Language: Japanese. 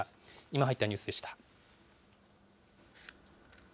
今入ったニュースでした。